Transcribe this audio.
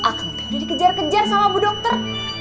akan terdiri kejar kejar sama bu dokter